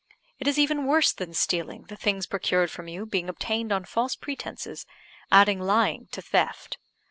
It is even worse than stealing, the things procured from you being obtained on false pretences adding lying to theft.